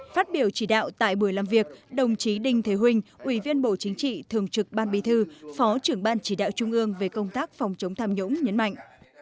phát biểu chỉ đạo tại buổi làm việc đồng chí đinh thế huệ ủy viên bộ chính trị thường trực ban bi thư phó trưởng ban chỉ đạo trung ương về công tác phòng chống tham nhũng nhấn mạnh